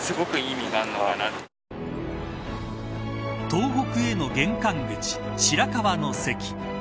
東北への玄関口白河の関。